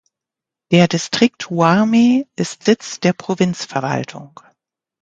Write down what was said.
Der Distrikt Huarmey ist Sitz der Provinzverwaltung.